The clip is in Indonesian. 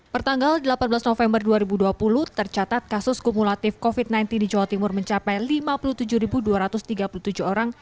pertanggal delapan belas november dua ribu dua puluh tercatat kasus kumulatif covid sembilan belas di jawa timur mencapai lima puluh tujuh dua ratus tiga puluh tujuh orang